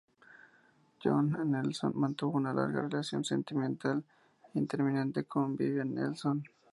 John L. Nelson mantuvo una larga relación sentimental intermitente con Vivian Nelson.